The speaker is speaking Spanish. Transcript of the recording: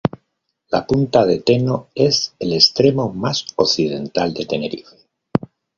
La Punta de Teno es el extremo más occidental de Tenerife.